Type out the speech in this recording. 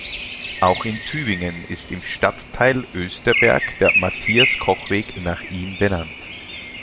Auch in Tübingen ist im Stadtteil Österberg der Matthias-Koch-Weg nach ihm benannt.